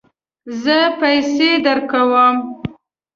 زه پیسې درکوم